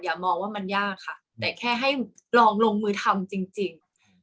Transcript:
มองว่ามันยากค่ะแต่แค่ให้ลองลงมือทำจริง